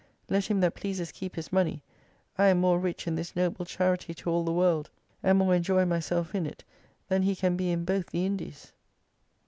Let him that pleases keep his money, I am more rich in this noble charity to all the world, and more enjoy myself in it, than he can be in both the Indies.